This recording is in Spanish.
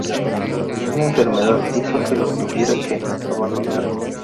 Una enfermedad, hizo que los tuviera que abandonar.